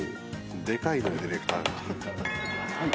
でかいのよディレクターが。